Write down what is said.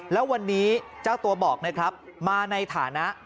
แล้ววันนี้เจ้าตัวบอกนะครับมาในฐานะ